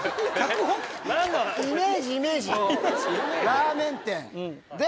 ラーメン店で。